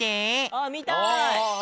あっみたい！